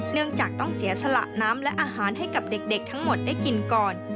เนื่องจากต้องเสียสละน้ำและอาหารให้กับเด็กทั้งหมดได้กินก่อน